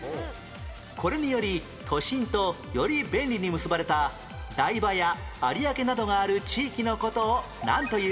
これにより都心とより便利に結ばれた台場や有明などがある地域の事をなんという？